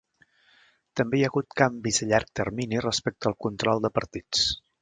També hi ha hagut canvis a llarg termini respecte al control de partits.